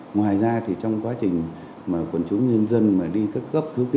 ngoài ra trong quá trình quần chúng nhân dân đi cấp cấp